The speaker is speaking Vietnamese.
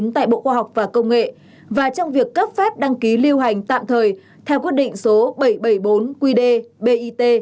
tại bộ khoa học và công nghệ và trong việc cấp phép đăng ký lưu hành tạm thời theo quyết định số bảy trăm bảy mươi bốn qd bit